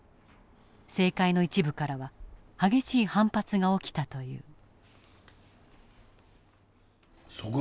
政界の一部からは激しい反発が起きたという。